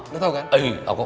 lu tau kan